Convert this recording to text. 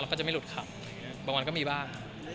ก็จะไม่หลุดขับบางวันก็มีบ้าง